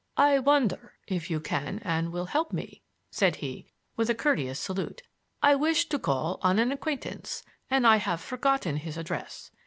"I wonder if you can and will help me," said he, with a courteous salute. "I wish to call on an acquaintance, and I have forgotten his address.